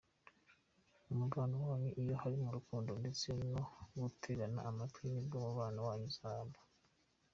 mu mubano wanyu iyo harimo urukundo ndetse no gutegana amatwi nibwo umubano wanyu uzaramba.